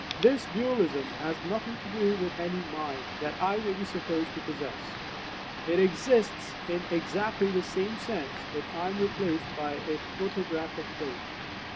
This dualism has nothing to do with any "mind" that I may be supposed to possess; it exists in exactly the same sense if I am replaced by a photographic plate.